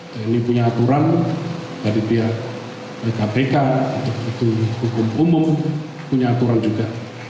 tni punya aturan dari pihak kpk atau hukum umum punya aturan juga